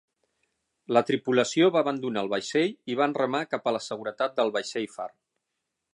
La tripulació va abandonar el vaixell i van remar cap a la seguretat del vaixell far.